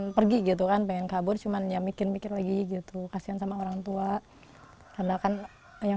pergi gitu kan pengen kabur cuman ya mikir mikir lagi gitu kasihan sama orang tua karena kan yang